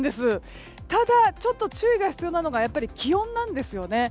ただ、ちょっと注意が必要なのが気温なんですよね。